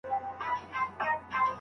که یو زده کوونکی په املا کي کمزوری وي.